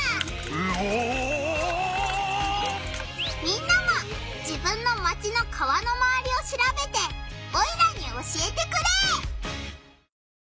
みんなも自分のマチの川のまわりをしらべてオイラに教えてくれ！